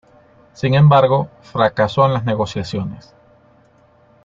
Sin embargo, fracasó en las negociaciones.